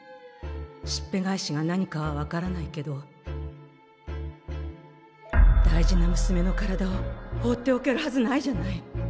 しっぺ返しが何かは分からないけど大事なむすめの体を放っておけるはずないじゃない。